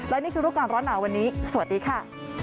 และนี่คือรูปการณ์ร้อนหนาวันนี้สวัสดีค่ะ